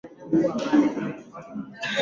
Kilio chao kimesikika.